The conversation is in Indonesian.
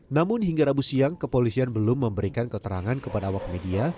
namun hingga rabu siang kepolisian belum memberikan keterangan kepada awak media